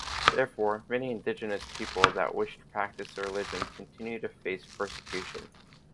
Therefore, many indigenous people that wish to practice their religion continue to face persecution.